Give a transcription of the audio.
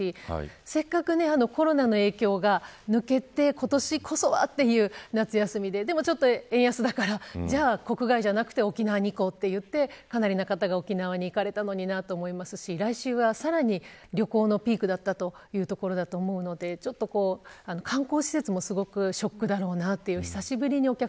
せっかくコロナの影響が抜けて今年こそは、という夏休みででも円安だから国外じゃなくて沖縄に行こうと思って、かなりの方が沖縄に行かれたのにと思いますし来週はさらに旅行のピークだったというところなので観光施設もショックだろうなと。